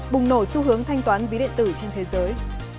bùng nổ xu hướng thanh toán ví điện tử trên thế giới